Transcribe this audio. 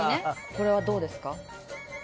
これはどうですか？